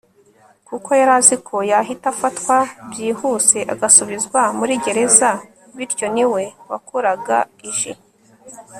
kuko yari azi ko yahita afatwa byihuse agasubizwa muri gereza bityo niwe wakoraga ij